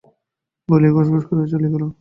বলিয়া গস গস করিয়া চলিয়া গেল।